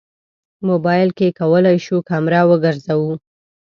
موبایل کې کولی شو کمره وګرځوو.